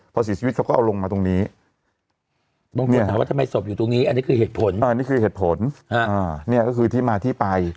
พอเสียชีวิตเขาก็เอาลงมาตรงนี้